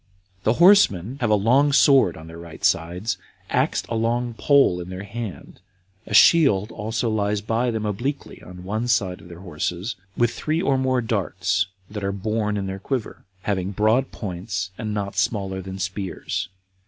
The horsemen have a long sword on their right sides, axed a long pole in their hand; a shield also lies by them obliquely on one side of their horses, with three or more darts that are borne in their quiver, having broad points, and not smaller than spears.